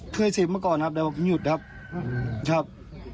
เคยเสพเมื่อก่อนครับแต่ผมยุดครับ